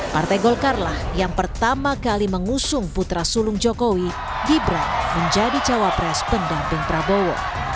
partai golkar lah yang pertama kali mengusung putra sulung jokowi gibran menjadi cawapres pendamping prabowo